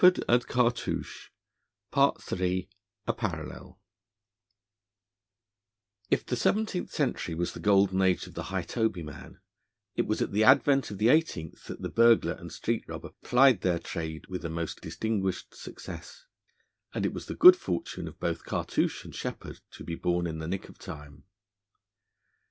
III A PARALLEL (SHEPPARD AND CARTOUCHE) IF the seventeenth century was the golden age of the hightobyman, it was at the advent of the eighteenth that the burglar and street robber plied their trade with the most distinguished success, and it was the good fortune of both Cartouche and Sheppard to be born in the nick of time.